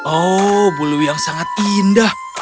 oh bulu yang sangat indah